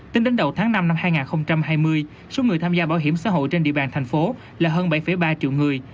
tính đến đầu tháng năm năm hai nghìn hai mươi số người tham gia bảo hiểm xã hội trên địa bàn thành phố là hơn bảy ba triệu người